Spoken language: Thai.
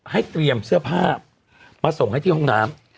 ให้เตรียมเสื้อผ้ามาส่งให้ที่ห้องน้ำ